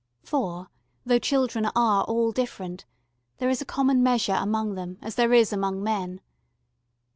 For, though children are all different, there is a common measure among them as there is among men.